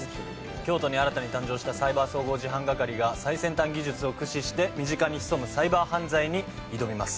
京都に新たに誕生したサイバー総合事犯係が最先端技術を駆使して身近に潜むサイバー犯罪に挑みます。